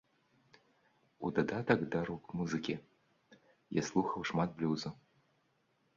У дадатак да рок-музыкі я слухаў шмат блюзу.